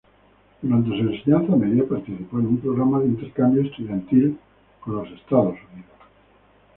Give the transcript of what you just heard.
Durante su enseñanza media participó en un programa de intercambio estudiantil en Estados Unidos.